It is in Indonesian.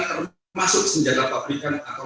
termasuk senjata pabrikan atau